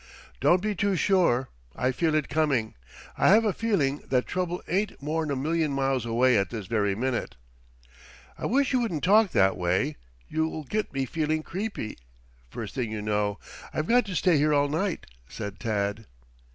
"Don't be too sure. I feel it coming. I have a feeling that trouble ain't more'n a million miles away at this very minute." "I wish you wouldn't talk that way. You'll get me feeling creepy, first thing you know. I've got to stay here all night," said Tad.